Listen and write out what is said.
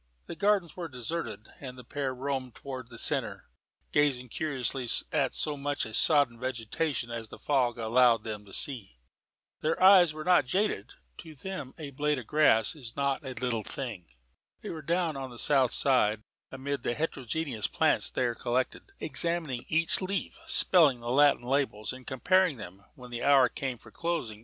The Gardens were deserted, and the pair roamed towards the centre, gazing curiously at so much of sodden vegetation as the fog allowed them to see. Their eyes were not jaded; to them a blade of grass was not a little thing. They were down on the south side, amid the heterogeneous plants there collected, examining each leaf, spelling the Latin labels and comparing them, when the hour came for closing.